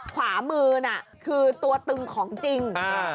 ขวามือน่ะคือตัวตึงของจริง